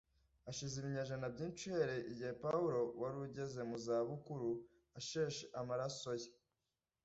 Hashize ibinyejana byinshi uhereye igihe Pawulo wari ugeze mu za bukuru asheshe amaraso ye